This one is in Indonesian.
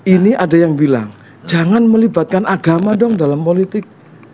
ini ada yang bilang jangan melibatkan agama dong dalam politik